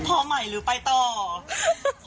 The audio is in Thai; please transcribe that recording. โอเคไหม